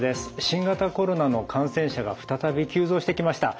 新型コロナの感染者が再び急増してきました。